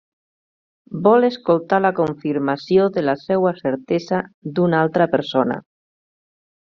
Vol escoltar la confirmació de la seua certesa d’una altra persona.